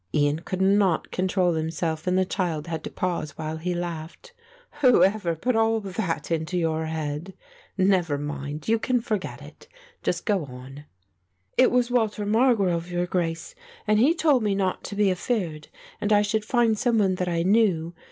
Ian could not control himself and the child had to pause while he laughed. "Whoever put all that into your head? Never mind, you can forget it, just go on." "It was Walter Margrove, your Grace, and he told me not to be afeared, as I should find some one that I knew.